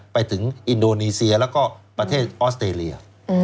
ไปถึงอินโดนีเซียแล้วก็ประเทศออสเตรเลีย